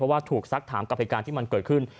ว่าถูกซักถามกับเหตุการณ์ที่มันเกิดขึ้น